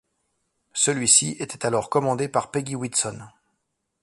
Celui-ci était alors commandé par Peggy Whitson.